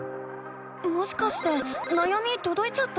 もしかしてなやみとどいちゃった？